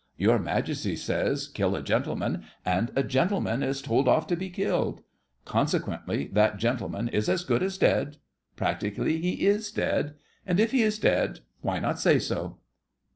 Your Majesty says, "Kill a gentleman," and a gentleman is told off to be killed. Consequently, that gentleman is as good as dead—practically, he is dead—and if he is dead, why not say so?